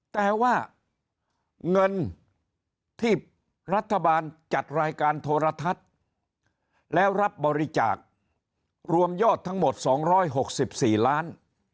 แต่ว่าเงินที่รัฐบาลจัดรายการโทรทัศน์แล้วรับบริจาครวมยอดทั้งหมด๒๖๔ล้าน